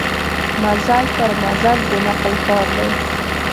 مزل پر مزل د نقل کار دی.